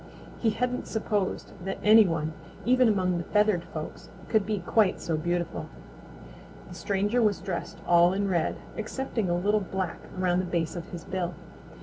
He hadn't supposed that any one, even among the feathered folks, could be quite so beautiful. The stranger was dressed all in red, excepting a little black around the base of his bill.